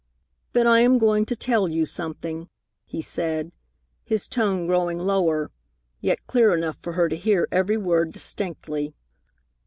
"Then I am going to tell you something," he said, his tone growing lower, yet clear enough for her to hear every word distinctly.